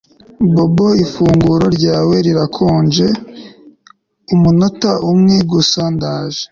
Bobo ifunguro ryawe rirakonja Umunota umwe gusa Ndaje